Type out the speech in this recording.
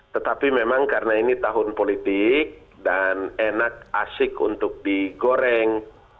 tetapi memang karena ini tahun politik dan enak asik untuk digoreng